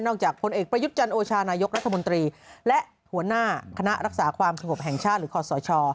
จากพลเอกประยุทธ์จันโอชานายกรัฐมนตรีและหัวหน้าคณะรักษาความสงบแห่งชาติหรือคอสช